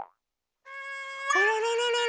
あららららら